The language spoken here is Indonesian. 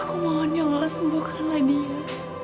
aku mohon yang allah sembuhkanlah dia